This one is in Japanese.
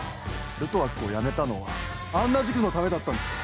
ルトワックを辞めたのはあんな塾のためだったんですか。